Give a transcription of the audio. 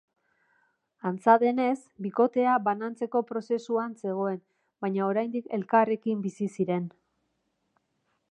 Antza denez bikotea banantzeko prozesuan zegoen, baina oraindik elkarrekin bizi ziren.